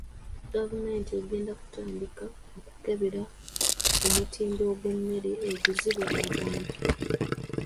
Gavumenti egenda kutandika okukebera mutindo gw'emmere eguzibwa abantu.